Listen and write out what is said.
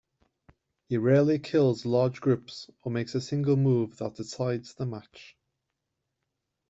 He rarely kills large groups or makes a single move that decides the match.